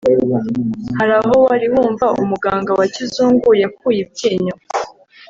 Hari aho wari wumva umuganga wa kizungu yakuye ibyinyo